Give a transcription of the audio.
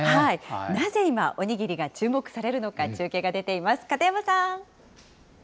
なぜ今、おにぎりが注目されるのか、中継が出ています。